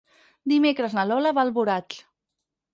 Dimecres na Lola va a Alboraig.